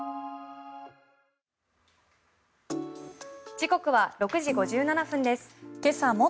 時刻は６時５７分です。